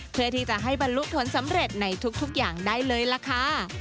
เพื่อที่จะให้บรรลุผลสำเร็จในทุกอย่างได้เลยล่ะค่ะ